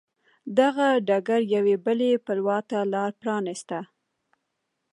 دغه ټکر یوې بلې بلوا ته لار پرانېسته.